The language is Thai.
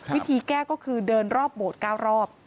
วิธีแก้ก็คือเดินรอบโบสถ์๙รอบ